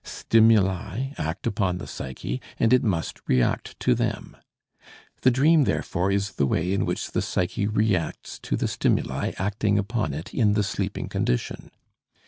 Stimuli act upon the psyche, and it must react to them. The dream, therefore, is the way in which the psyche reacts to the stimuli acting upon it in the sleeping condition.